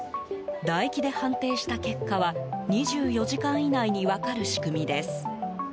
唾液で判定した結果は２４時間以内に分かる仕組みです。